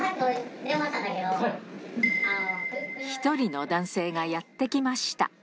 １人の男性がやって来ました。